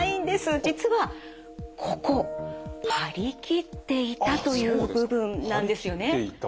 実はここ「張り切っていた」という部分なんですよね。